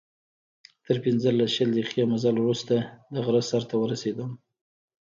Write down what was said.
تر پنځلس، شل دقیقې مزل وروسته د غره سر ته ورسېدم.